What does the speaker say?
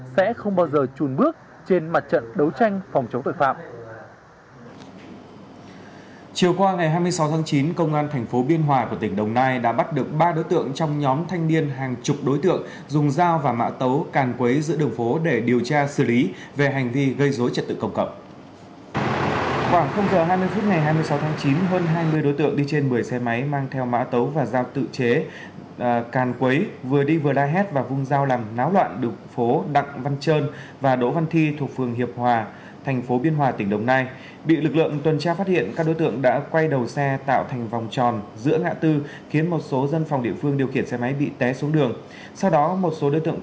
sẽ không bao giờ trùn bước vào những điều này